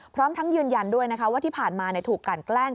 พร้อมทั้งยืนยันด้วยนะคะว่าที่ผ่านมาถูกกันแกล้ง